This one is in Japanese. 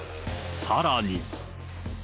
さらに。